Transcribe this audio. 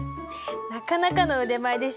なかなかの腕前でしょ。